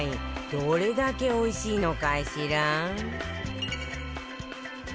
どれだけおいしいのかしら？